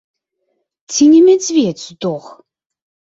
Ці не мядзведзь здох?